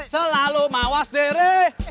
selalu mawas diri